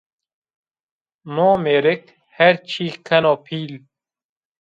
No mêrik her çî keno pîl